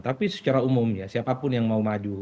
tapi secara umum ya siapapun yang mau maju